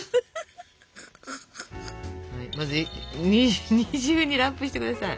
まず二重にラップして下さい。